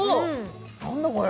何だこれ？